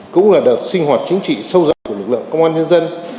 cũng là đợt sinh hoạt chính trị sâu rộng của lực lượng công an nhân dân